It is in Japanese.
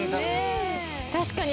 確かに。